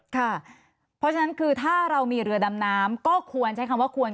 เพราะฉะนั้นคือถ้าเรามีเรือดำน้ำก็ควรใช้คำว่าควร